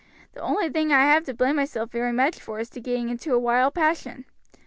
The only thing I have to blame myself very much for is for getting into a wild passion.